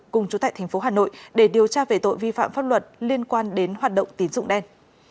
cùng chủ tại tp hà nội để điều tra về tội vi phạm pháp luật liên quan đến hoạt động tín dụng đen